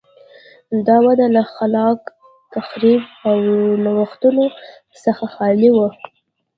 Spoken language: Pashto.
دا وده له خلاق تخریب او نوښتونو څخه خالي وه.